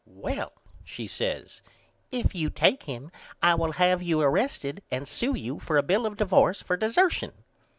Well, she says, if you take him I will have you arrested and sew you for a bill of divorce for dessertion.